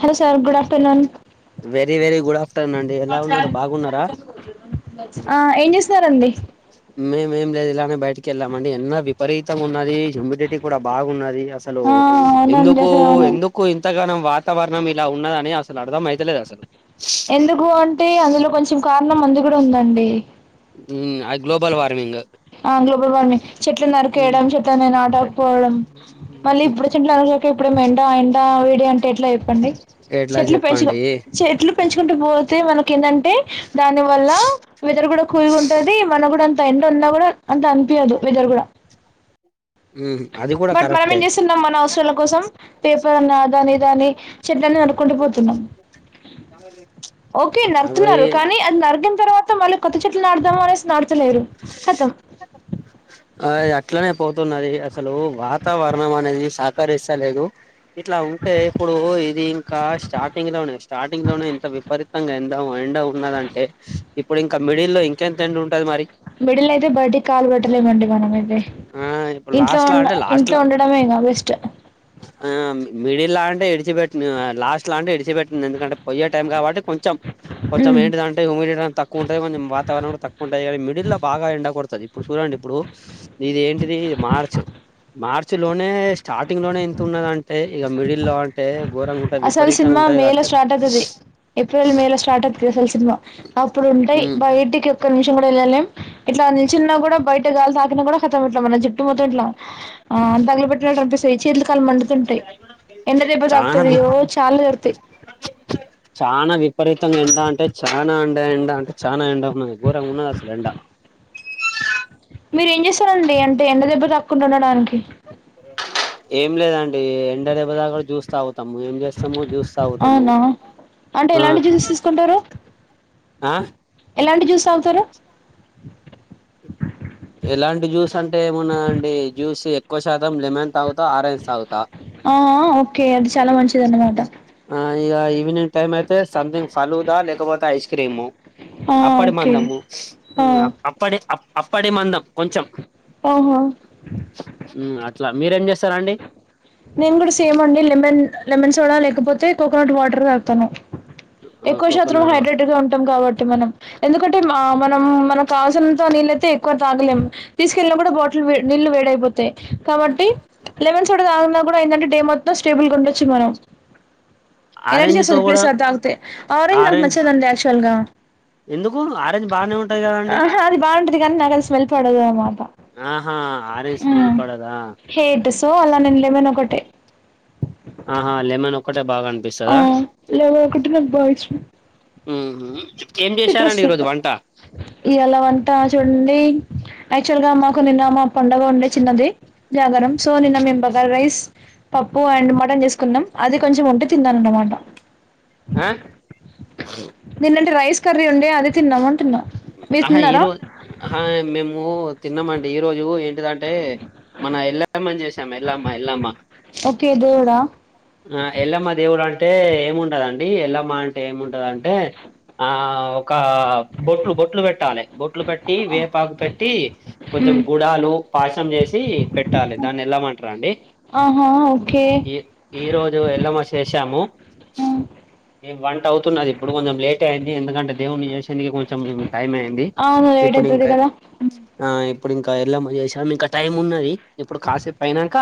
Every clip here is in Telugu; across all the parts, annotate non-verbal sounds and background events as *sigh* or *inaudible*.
Hello sir good afternoon very very good afternoon అండి ఎలా ఉన్నారు బాగున్నారా? ఆ ఏం చేస్తున్నారండి మే ఎం లే కేళ్ళామండి ఎండ విపరీతం ఉన్నది. హ్యూమిడిటీ కూడా బాగున్నది అసలు ఆ అవునండి ఎందుకు అసలు అవును ఎందుకు ఇంతగానం వాతావరణం ఇలా ఉన్నదని అసలు అర్థం అయితలేదు అసలు ఎందుకు అంటే అందులో కొంచెం కారణం మందికూడా ఉందండి. మ్ అది గ్లోబల్ వార్మింగ్ ఆ గ్లోబల్ వార్మింగ్ చెట్లను మ్మ్ నర్రికేయడం, చెట్లని నటకపోవడం మళ్ళీ ఇప్పుడు చెట్లు అరక ఉప్పుడేమో ఎండ ఎండ వేడి అన్ టెట్లా చెప్పండి ఎట్లా చెట్లు పెంచు చెప్పండి చెట్లు పెంచుకుంటూ పోతే మనకి ఏంటంటే దాని వల్ల వెథర్ కూడా కూల్ గా ఉంటది. మన కూడా అంత ఎండ ఉన్నా కూడా అంతే అనిపియ్యదు వెథర్ కూడా మ్మ్ అది కూడా బట్ మనం ఏం కరెక్టే చేస్తున్నాం మన అవసరాల కోసం పేపర్ అని దాని దాని చెట్లను న *unintelligible* ఓకే నరుతున్నారు అవి కానీ అది నరికిిన తర్వాత మళ్ళీ కొత్త చెట్లు నాటుదాము అనేసి నాటుతాలేరు కతం ఆ అట్లనే పోతున్నది అసలు వాతావరణం అనేది సహకరిస్తలేదు. ఇట్లా ఉంటే ఇప్పుడు ఇది ఇంకా స్టార్టింగ్ లోనే, స్టార్టింగ్ లోనే ఇంత విపరీతంగా ఎండ అండ్ ట ఉన్నదంటే ఇప్పుడు ఇంకా మిడిల్లో ఇంకా ఎంత ఎండ ఉ మిడిల్ అయితే బయటికి కాలు పెట్టలేవండి మనమె అదే ఆ ఇప్పుడు ఇంట్లో లాస్ట్ లా ఉండ అంటే లాస్ట్ ఇంట్లో లా ఉండటమేగా బెస్ట్ మిడిల్ లా అంటే విడిచిపెట్టను లాస్ట్ లా అంటే విడిచిపెట్టింది ఎందుకంటే పొయ్యే టైం కాబట్టి కొంచెం కొంచం ఏంటిది అంటే యుమిడిటీ అనేది తక్కువ ఉంటాయి కొంచెం వాతావరణ కూడా తక్కువ ఉంటా కానీ మిడిల్ లో బగా ఎండాకొడతది ఇప్పుడు చూడండి ఇప్పుడు ఇది ఏంటిది మార్చ్ మార్చ్ లోనే స్టార్టింగ్ లోనే ఇంత ఉన్నదంటే ఇగ మిడిల్ లో అంటే ఘోరంగా ఉంటది అసలు విపరీతంగా సినిమా ఉంటది మేల కావచ్చు స్టార్ట్ అయితది. ఏప్రిల్, మేల స్టార్ట్ అతుది అసలు సినిమా అప్పుడు ఉంటాయి ఉమ్ బయటికి ఒక్క ని చూడళ్ళలేం ఇట్లా నిలిచిన్న కూడా బయట గాలి తాకిన కూడా కతమంట్లా మన జుట్టు మ తుంట్ల ఆ తగలు పెట్టినట్టు అనిపిస్తది. చేతులు, కాళ్ళు మండుతుంటాయి ఎండదెబ త చానా తది వి ఓ చాల జరుగుతాయి తానే ఎండ అంటే చానా ఎండ ఎండ అంటే చానా ఎండ ఉన్నయ్ ఘోరంగా ఉన్నది అసలు ఎండ మీరు ఏం చేస్తారండి అంటే ఎండ దెబ్బ తక్కుంటుండడానికి ఏం లేదన్ డే ఎండ దెబ్బ దాకా జ్యూస్ తాగుతాము ఏం చేస్తాము జ్యూస్ తాగుతాము. అవునా అంటే ఆ ఎలాంటి జ్యూసెస్ తీసుకుంటారు? ఆ ఎలాంటి జ్యూస్ తాగుతారు ఎలాంటి జ్యూస్ అంటే ఏమున్నాదండి జ్యూస్ ఎక్కువ శాతం లెమన్ తాగుతా ఆరెంజ్ తాగుతా ఆ ఓకే అది చాలా మంచిది అన్నమాట ఇగ ఈవెనింగ్ టైమైతే సమ్థింగ్ ఫలుడా లేకపోతే ఐస్ క్రీము ఆ అప్పడి ఓకే మందము ఆ అప్పడి అ అప్పడి మందం కొంచం. ఓహో ల మీరు ఏం చేస్తారా అండి? నేను కూడా సేమ్ అండి లెమన్ లెమన్ సోడా లేకపోతే కోకోనట్ వాటర్ తగుతాను. ఆ, ఎక్కువ శాత్రం కోకోనట్ వా- హైడ్రేట్గా ఉంటాం కాబట్టి మనం ఎందుకంటే మా మనం మనక్ కావల్సనంత నీళ్ళైతే ఎక్కువ తాగలేం. తీస్కెళ్ళిన కూడా బాటిల్ వే నీళ్ళు వేడైపోతాయి కాబట్టి లెవెన్ సోడా దాగున్నా గుడా ఏంటంటే డే మొత్తం స్టేబుల్గా ఉండొచ్చు మనం. ఎనర్జీ ఆరెంజ్ తో వస్తద్ కూడా ప్లస్ అద్ తాగుతే ఆరెంజ్ నాక్ నచ్చదండి ఆక్చువల్గా ఎందుకు ఆరెంజ్ బానే ఉంటది కదా అండి. *inaudible* నాక్ అద్ స్మెల్ పడద్ ఏమో ఆహా ఆరే స్మెల్ పడదా హేట్ సో అలా నేను లెమన్ ఒకటే ఆహా లేమన్ ఒకట్ ఆ లెమన్ ఒకటే నాక్ బాగిష్టం. మ్ సిట్రస్ *inaudible* ఇయాల వంటా చుడంన్డీ యాక్చువల్గా మాకు నిన్న మా పండగా ఉండే చిన్నది. జాగరం సో నిన్న మేం బగారా రైస్, పప్పు అండ్ మటన్ చేస్కున్నాం. అది కొంచం ఉంటే తిన్నారన్నమాట. బ్లాంక్ అ నిన్నంటే రైస్ కర్రీ ఉండే అది తిన్నాం. అంటున్నా మీరు అహ తిన్నారా ఈరోజు అహ మేము తిన్నామండి ఈ రోజు ఏ టిదంటే మన ఎళ్ళమ్మన్ చేసాం ఎళ్లమ్మ ఎల్లమ్మ. ఓకే దేవుడా మా ఎల్లమ్మ దేవురం టే ఏముంటదండి ఎల్లమ్మ అంటే ఏముంటదంటే ఆ ఒకా బొట్లు బొట్లు పెట్టాలె బొట్లు పెట్టి వేపాకు కట్టి కొంచం మ్మ్ గుడాలు, పాశం చేసి పెట్టాలె దాన్ని ఎల్లమ్మంటరండి. ఆహా ఓకే. ఈ రోజు ఎల్లమ్మ చేశాము. మ్మ్ ఈ వంటౌతున్నది ఇప్పుడు కొంచెం లేటే అయింది ఎందుకంటే దేవున్ని చేసింది ఇగ కొంచం టైమైయ్యింది అవును లేట్ ఇప్పుడు అయితది ఇంకా కదా ఆ ఇప్పుడ్ ఇంకా ఎల్లమ్మ చేశాం ఇంకా టైం ఉన్నది ఇప్పుడు కాసేప్ అయినంక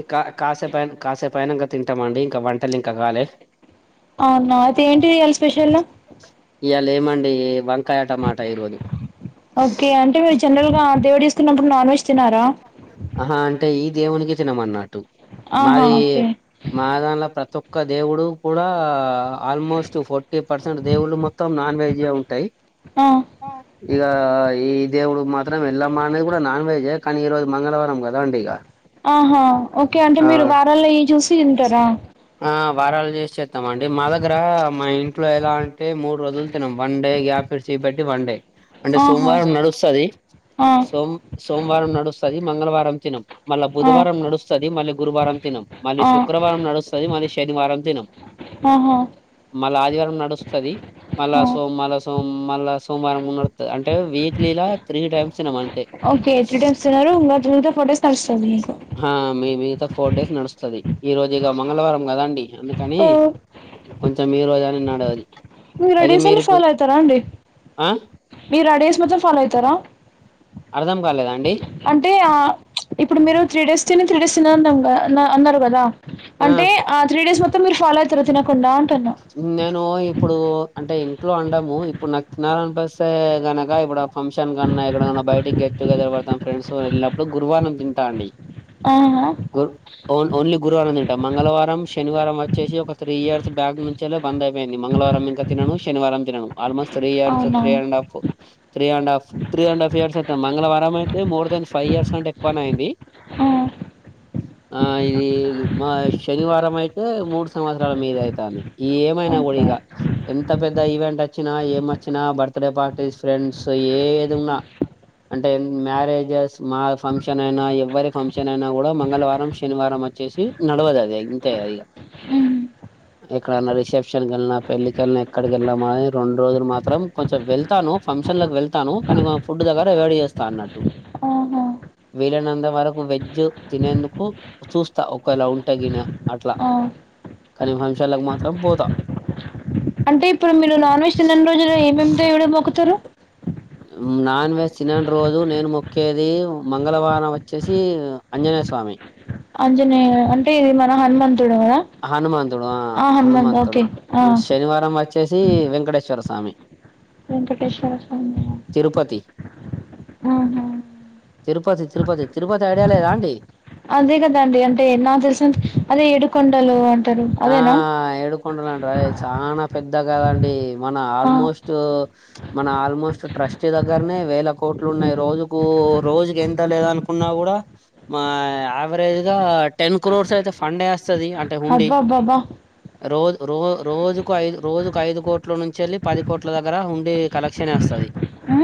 ఇంకా కాసేప్ కాసేపైనంకా తింటమండి ఇంకా వంటల్ ఇంకా కాలే అవునా అయితే ఏంటిది ఇయాల స్పెషల్ ఇయాల ఏమండి వం ఓకే అంటే మీరు జనరల్గా దేవుడు చేస్కున్నప్పుడు నాన్ వెజ్ తినరా? అహ అంటే ఈ దేవునికే తినమన్నట్టు ఆహా మాది ఓకే మా దాన్ల ప్రతొ క్క దేవుడు కూడా ఆల్మోస్ట్ ఫోర్టీ పర్సెంట్ దేవుళ్ళు మొత్తం నాన్ వెజే ఉంటయి. ఆ ఇగ ఈ దేవుడు మాత్రం ఎల్లమ్మ అనేది గుడా నాన్ వేజే కని ఈరోజు మంగళవారం కదా అండి ఇగ ఆహా ఓకే అంటే మీరు వారాలై చూసి తింటరా ఆ వారాలు చేసి చేస్తాం అండి. మా దగ్గర మా ఇంట్లో ఎలా అంటే మూ రోజుల్ తినం. వన్డే గ్యాప్ ఇడిసీ పెట్టి వన్డే అంటే ఆహా సోమవారం నడుస్తది ఆ సోమ్ సోమవారం నడుస్తది మంగళవారం తినం. మళ్ళ ఆ బుధవారం నడుస్తది మళ్ళీ గురువారం తినం మళ్ళీ ఆ శు శుక్రవారం నడుస్తది మరి శనివారం తినం. ఆహా మళ్ళ ఆదివారం నడుస్తది మళ్ళా ఆ సో మళ్ళ సో మళ్ళ సోమవారం ఉన్నడు అంటే వీక్లీలా త్రీ టైమ్స్ తినం అంతే. ఓకే త్రీ టైమ్స్ తిన్నారు ఇంకా మిగతా ఫోర్ డేస్ నడుస్తుంది మీకు ఆ మీ మిగతా ఫోర్ డేస్ నడుస్తది ఈ రోజు ఇక మంగళవారం కదండి ఎందుకని ఓ కొంచెం ఈ రోజా అనే నడవది మీ అయితే రడిసన్ అన్ని మీరు ఫాలో పోయి అయితారా అండి ఆ మీరడిస్ మొత్తం ఫాలో అయితరా? అర్ధం కాలేదా అండి. ఆ ఇప్పుడు మీరు త్రీ డేస్ తిని త్రీ డేస్ తినకుండా అన్న అన్నారు కదా అంటే ఆ త్రీ డేస్ మొత్తం మీరు ఫాలో అవుయితార తిన నేను ఇప్పుడు అంటే ఇంట్లో అండము ఇప్పుడు నాకు తినాలనిపిస్ స్తే గనక ఇప్పుడ ఫంక్షన్ కన్నా ఎక్కడకన్నా బయటికి గెట్టుగెదర్ పెడతాం ఫ్రెండ్స్ వెళ్ళినప్పుడు గురువారం తింటా అండి ఆహా గుర్ ఓన్లీ గురువారం తింటా మంగళవారం శనివారం వచ్చేసి ఒక త్రీ ఇయర్స్ నుంచిల బంద అ ది మంగళవారం ఇంకా తినను శనివారం తినను ఆల్మోస్ట్ త్రీ ఇయర్స్ అవునా three and half three and half three and half years అయితె మంగళవారం అయితే మోర్ దన్ ఫైవ్ ఇయర్స్ కంట ఎక్కువనె అయింది ఆ ఆ ఇది మహ్ శనివారం అయితే మూడు సంవత్సరాల మీద అయితంది ఏమైనా గుడ ఓకే ఇగ ఎంత పెద్ద ఈవెంట్ వచ్చినా ఏం వచ్చినా బర్త్డే పార్టీస్ ఫ్రెండ్స్ ఏ ఏదిన్నా అంటే మ్యారేజెస్ మా ఫంక్షన్ అయినా ఎవ్వరి ఫంక్షన్ అయినా గుడా మంగళవారం శనివారం వచ్చేసి నడవదు అది ఇంతే అదిగా ఉహ్మ్ ఎక్కడన్నా రిసెప్షన్కి వెళ్ళిన పెళ్ళకెళ్లిన ఎక్కడికెళ్ళాన మద్ రెండు రోజులు మాత్రం కొంచెం వెళ్తాను ఫంక్షన్ లకి వెళ్తాను కానీ ఫుడ్ దగ్గర ఎవైడ్ చేస్తా అన్నట్టు ఓహో వీలైనంత వరకు వెజ్ తినేందుకు చూస్తా ఒకవేళ ఉంట గిన అట్లా ఆ కానీ ఫంక్షనలకి మాత్రం పోతా అంటే ఇప్పుడు మీరు నాన్ వెజ్ తిన్నని రోజులు ఏమేం దేవుడు మొక్కుతారు నాన్ వెజ్ తినను రోజు నేను మొక్కేది మంగళవారం వచ్చేసి అన్ జినేయస్వామి అంజనేయ్ అంటే ఇది మన హనుమంత్ కదా హనుమంతుడు ఆ హనుమంతుడు ఓకే ఆ శనివారం వచ్చేసి వెంకటేశ్వర స్వామి వెంకటేశ్వర స్వామి తిరుపతి అ తిరుపతి తిరుపతి తి అదే కదండి అంటే నా తెలిసిన్ అదే ఎడుకొండలు అంటే ఆ ఏడుకొండాలంటారు అదే చానా పెద్ద గాడండి మన ఆ ఆల్మోస్ట్ మన ఆల్మోస్ట్ ట్రస్టీ దగ్గరనే వేల కోట్లు ఉన్నాయి రోజుకు రోజుకి ఎంత లేదనుకున్నా కూడా మ అవేరేజగా టెన్ క్రోర్స్ అయితే ఫండేస్తా స్తది అంటే హుండీ అబ్బా అబ్బా అబ్బా రోజ్ రో రోజుకు ఐదు రోజుకు ఐదు కోట్ల నుంచెళ్లి పది కోట్ల దగ్గర హుండీ కలెక్షన్ ఎస్తది ఆ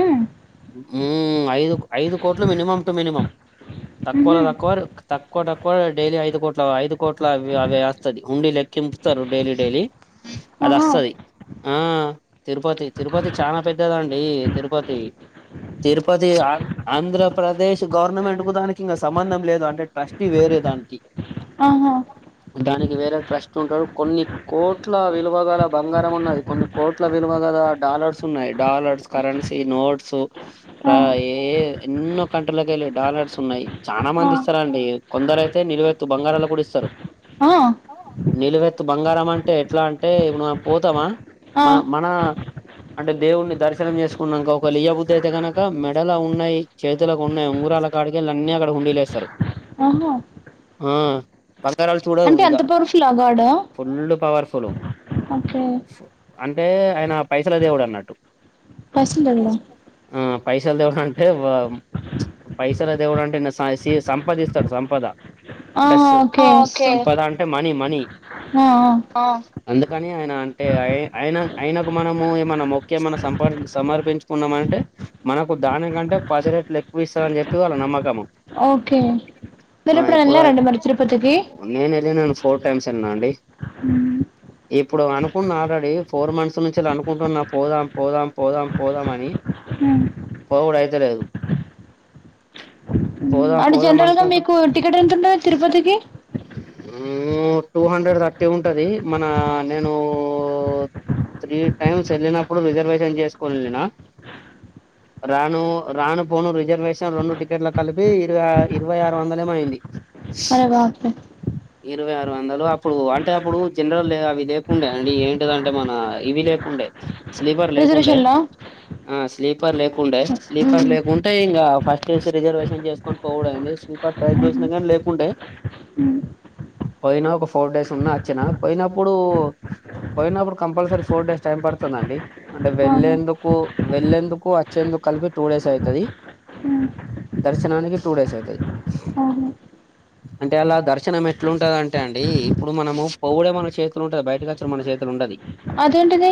ఉమ్మ్ ఐదు ఐదు కోట్లు మినిమం టు మినిమం తక్కువలో మ్హూ తక్కువ తక్కువ తక్కువ డైలీ ఐదు కోట్లు ఐదు కోట్ల అవి అవేస్ స్తది హుండీ లెక్కింపుతారు డైలీ డైలీ అది ఆహా అస్తది ఆ తిరుపతి తిరుపతి చనా పెద్దదండీ తిరుపతి తిరుపతి ఆంధ్రప్రదేశ్ గవర్నమెంట్ కు దానికి ఇగ సంబంధం లేదు అంటే ట్రస్టీ వేరే దానికి ఆహా దానికి వేరే ట్రస్ట్ ఉంటారు కొన్ని కోట్ల విలువగల బంగారం ఉన్నది కొన్ని కోట్ల విలువగల డాలర్స్ ఉన్నాయి డాలర్స్ కరెన్సీ నోట్స్ ర ఆ ఎన్నో కన్ కెళ్ళి డాలర్స్ ఉన్నాయి చానా ఆ మంది ఇస్తారండి. కొందరు ఐతే నిలువెత్తు బంగారాలు కూడా ఇస్తారు. ఆ నిలువెత్తు బంగారం అంటే ఎట్లా అంటే ఇప్పుడు మనమ్ పోతమా ఆ మా మన అంటే దేవుడిని దర్శనం చేసుకున్నానుక ఒక లియ బుద్ధి అయితే కనక మెడల ఉన్నాయి చేతులకు ఉన్నాయి ఉంగ రాల కాడికిళ్ల అన్నీ అక్కడ హండీలేస్తారు ఆహా ఆ బంగారాలు చూడవ్ అంటే ఇగా అంత పవర్ఫుల్ ఫుల్ పవర్ ఒకే అంటే ఆయన పైసల దేవుడు అన్నట్టు పైసలు దేవుడా ఆ పైసల్ దేవుడు అంటే పైసల దేవుడు అంటే సిర్ సంపద ఇస్తాడు సంపద ఆ ఓకే పద అంటే మనీ మనీ ఆ అ అందుకని ఆయన అంటే ఆయి ఆయనకు మనము ఏమన్నా ముక్కు ఏమన సంపాదించ సమర్పించుకున్నామ అంటే మనకు దానికంటే పది రేట్లు ఎక్కువ ఇస్తాదని చెప్పి వాళ్ళ నమ్మకం. ఓకే మీరుప్పుడు వెళ్లారా ఆయ- అండి మరి తిరుపతికి నేను వెళ్ళినను ఫోర్ టైమ్స్ వెళ్ళిన అండి. మ్ ఇప్పుడు అనుకున్న ఆల్రెడీ ఫోర్ మంత్స్ నుంచి అనుకుంటున్నా. పోదాం పోదాం పోదాం పోదామ అని. పోవుడు అయితే లేదు అంటే జన్రల్ గా మీకు అనుకుంటున్నా టికెట్ ఎంత ఉంటది తిరుపతికి మ్ టూ హండ్రెడ్ థర్టీ ఉంటది మన నేనూ త్రీ టైమ్స్ వెళ్ళినప్పుడు రిజర్వేషన్ చేసుకొని వెళ్ళిన రాను రాను పోను రిజర్వేషన్ రెండు టికెట్లు కలిపి ఇర ఇరవై ఆరు వందలేమో అయింది. అరే బాపురే ఇరవై ఆరు వందలు అప్పుడు అంటే అప్పుడు జన్రల్ అవి లేకుండే అండి ఏంటిదంటే మన ఇవి లే కు ఉండే స్లీపర్ లేకుండే రిజర్వేషన్ లో ఆ స్లీపర్ లేకుండే స్లీపర్ లేకుంటే ఇంకా ఫస్ట్ చేసి రిజర్వేషన్ చేసుకొని పోవడంది స్లీపర్ ట్రై చేసినా కానీ లేకుంటే పోయినా ఒక ఫోర్ డేస్ ఉన్నా వచ్చిన పోయినప్పుడు పోయినప్పుడు కంపల్సరీ ఫోర్ డేస్ టైం పడుతుందండి. అంటే ఆహా వెళ్లేేందుకు వెళ్ళేందుకు వచ్చేందుకు కలిపి టూ డేస్ అయితది ఉహ్ దర్శనానికి టూ డేస్ ఐతది ఆహా అంటే అలా దర్ క్షణం ఎట్లు ఉంటది అంటే అండి ఇప్పుడు మనము పొవుడే మన చేతుల ఉంటది. బయటకి వచ్చిన మన చేతిల ఉండది అదేంటిది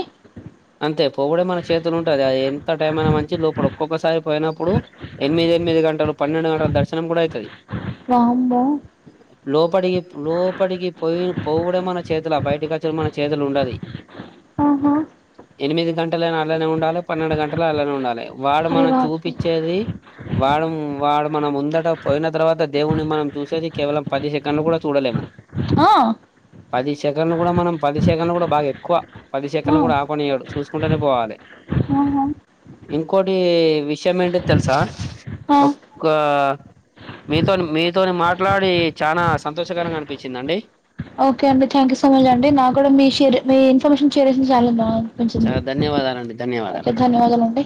అంతే పోవుడే మన చేతులు ఉంటది. అది ఎంత టైం అయినా మంచి లోపల ఒక్కొక్కసారి పోయినప్పుడు ఎనిమిది ఎనిమిది మిది గంటలు పన్నెండు గంటల దర్శనం కూడా అయితది. వామ్మో లోపడి లోపడికి పోయి పోవడమే మనచేతుల బయటకి వచ్చడం మన చేతులు ఉండదు. ఆహ ఎనిమిది గంటలైనా అలానే ఉండాలి. పన్నెండు గంటల అలానే ఉండాలి. వాడు అరే మనం బాప్రే చూపిచ్చేది వాడు వాడు మనం ముందట పోయిన తర్వాత దేవున్ని మనం చూసేది కేవలం పది సెకండ్లు కూడా చూడలేము ఆ పది సెకండ్లు కూడా మనం పది సెకండ్లు కూడా బాగా ఎక్కువ పది సెకండ్లు కూడా ఆపనియ్యడు. చూసుకుంటేనే పోవాలె. ఆ ఇంకోటీ విషయం ఏంటిద్ తెలుసా ఆ ఒక్క మీతోని మీతోని మాట్లాడి చానా సంతోషకరంగా అనిపిచ్చిందండి ఓకే అండి థ్యాంక్యూ సో మచ్ అండి నా కూడా మీ శిర్ మీ ఇన్ఫర్మేషన్ షేర్ చేసి చాల చాలా ధన్యవాదాలండి ధన్యవాదాలు ఓకే ధన్యవాదాలండి